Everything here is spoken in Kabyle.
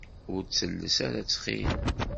Ur ttelles ara ttxil.